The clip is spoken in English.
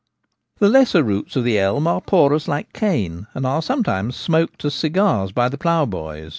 The lesser roots of the elm are porous like cane, and are sometimes smoked as cigars by the plough boys.